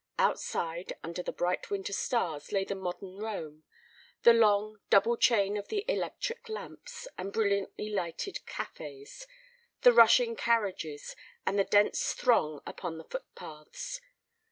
Outside under the bright winter stars lay the modern Rome, the long, double chain of the electric lamps, the brilliantly lighted cafes, the rushing carriages, and the dense throng upon the footpaths.